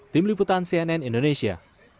tim liputan cnn indonesia